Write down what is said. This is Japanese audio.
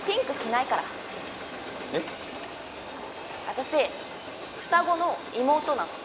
私双子の妹なの。